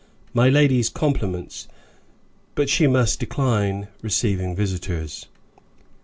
"My lady's compliments, but she must decline receiving visitors."